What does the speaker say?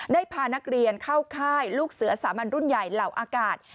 ได้พานักเรียนเข้าค่ายลูกเสือสามัญรุ่นใหญ่เหล่าอากาศ